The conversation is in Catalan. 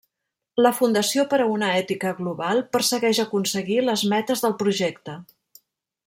La Fundació per a una Ètica Global persegueix aconseguir les metes del projecte.